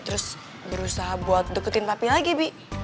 terus berusaha buat deketin papi lagi bu